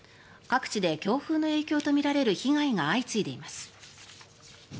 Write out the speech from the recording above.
各地で強風の影響とみられる被害が相次いでいます。